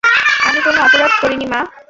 আমি কোন অপরাধ করিনি, মা।